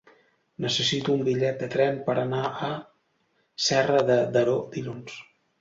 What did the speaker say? Necessito un bitllet de tren per anar a Serra de Daró dilluns.